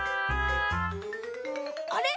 あれ？